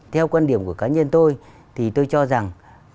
theo quan điểm của cá nhân tôi thì tôi cho rằng